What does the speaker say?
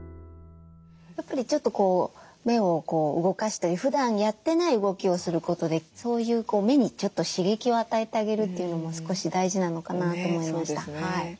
やっぱりちょっとこう目を動かしたりふだんやってない動きをすることでそういう目にちょっと刺激を与えてあげるというのも少し大事なのかなと思いました。